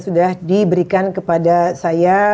sudah diberikan kepada saya